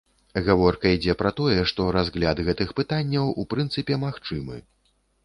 Гаворка ідзе пра тое, што разгляд гэтых пытанняў у прынцыпе магчымы.